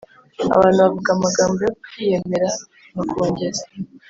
Abantu bavuga amagambo yo kwiyemera bakongeza